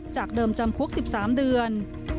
จากเดิมจำคุก๑๓เดือน